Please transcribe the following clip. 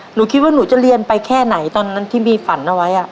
หนูคิดว่าหนูจะเรียนไปแค่ไหนตอนนั้นที่มีฝันเอาไว้